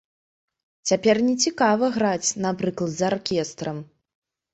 Цяпер не цікава граць, напрыклад, з аркестрам!